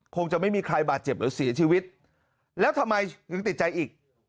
คงจะไม่มีใครบาดเจ็บหรือเสียชีวิตแล้วทำไมยังติดใจอีก